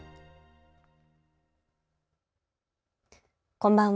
こんばんは。